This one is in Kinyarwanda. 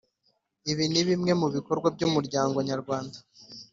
ibi nibimwe mubikorwa by’ umuryango nyarwanda